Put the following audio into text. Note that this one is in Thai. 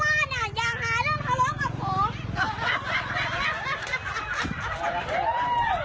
เรื่องไม่จบไม่ง่าย